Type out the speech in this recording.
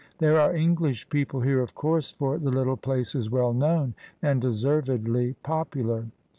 There are English people here, of course, for the little place is well known, and deservedly popular.